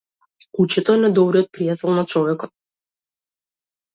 Кучето е најдобриот пријател на човекот.